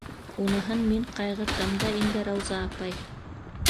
Уныһын мин ҡайғыртам да инде, Рауза апай.